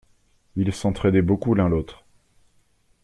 Ils s’entraidaient beaucoup l’un l’autre.